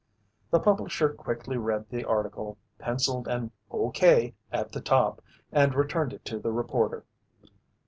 The publisher quickly read the article, pencilled an "okay" at the top, and returned it to the reporter.